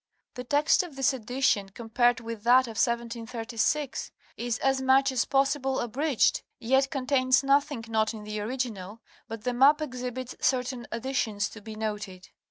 The text of this edition, compared with that of 1736, is as much as possible abridged, yet contains nothing not in the original, but the map exhibits certain additions to be noted.